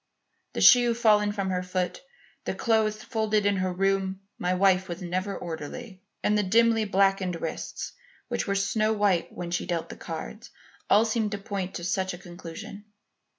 The shoe fallen from her foot, the clothes found folded in her room (my wife was never orderly), and the dimly blackened wrists which were snow white when she dealt the cards all seemed to point to such a conclusion.